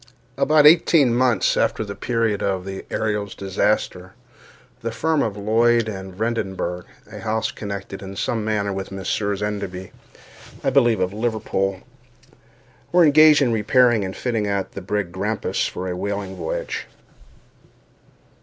About eighteen months after the period of the Ariel's disaster, the firm of Lloyd and Vredenburgh (a house connected in some manner with the Messieurs Enderby, I believe, of Liverpool) were engaged in repairing and fitting out the brig Grampus for a whaling voyage.